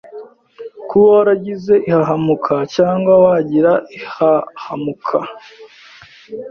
kuba waragize ihahamuka cyangwa wagira ihahamuka.